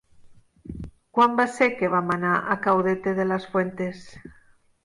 Quan va ser que vam anar a Caudete de las Fuentes?